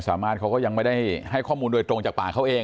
สามารถเขาก็ยังไม่ได้ให้ข้อมูลโดยตรงจากปากเขาเอง